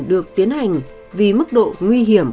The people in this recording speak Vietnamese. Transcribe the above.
được tiến hành vì mức độ nguy hiểm